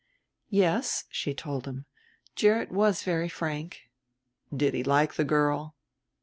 "Yes," she told him; "Gerrit was very frank." "Did he like the girl?"